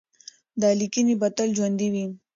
دا لیکنې به تل ژوندۍ وي.